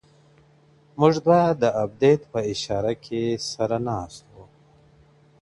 موږ دوه د آبديت په آشاره کي سره ناست وو